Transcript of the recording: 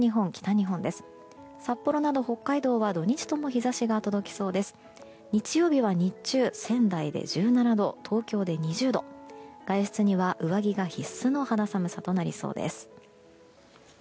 日曜日は日中、仙台で１７度東京で２０度外出には上着が必須の肌寒さとなりそうです。